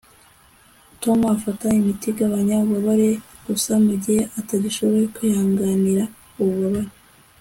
tom afata imiti igabanya ububabare gusa mugihe atagishoboye kwihanganira ububabare